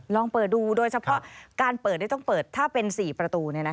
ลองเปิดดูโดยเฉพาะการเปิดต้องเปิดถ้าเป็น๔ประตู